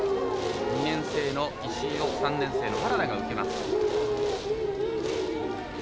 ２年生の石井を３年生の原田が受けます。